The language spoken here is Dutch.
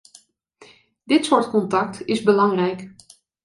Dit soort contact is belangrijk.